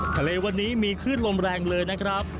ทะเลวันนี้มีคลื่นลมแรงเลยนะครับ